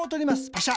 パシャ。